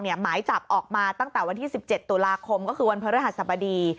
หมายจับออกมาตั้งแต่วันที่๑๗ตุลาคมก็คือวันพระฤหัสบดี